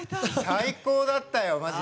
最高だったよマジで。